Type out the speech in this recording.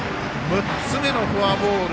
６つ目のフォアボール。